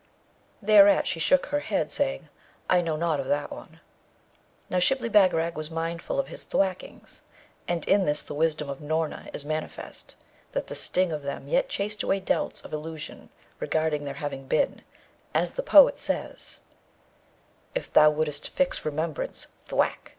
Thereat, she shook her head, saying, 'I know nought of that one.' Now, Shibli Bagarag was mindful of his thwackings; and in this the wisdom of Noorna, is manifest, that the sting of them yet chased away doubts of illusion regarding their having been, as the poet says, If thou wouldst fix remembrance thwack!